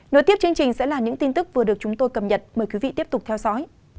nối tiếp chương trình sẽ là những tin tức vừa được chúng tôi cập nhật mời quý vị tiếp tục theo dõi